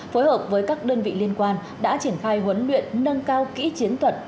phối hợp với các đơn vị liên quan đã triển khai huấn luyện nâng cao kỹ chiến thuật